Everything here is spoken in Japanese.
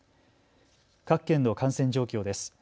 各県の感染状況です。